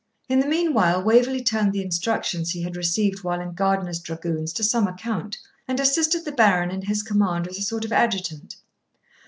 In the meanwhile Waverley turned the instructions he had received while in Gardiner's dragoons to some account, and assisted the Baron in his command as a sort of adjutant.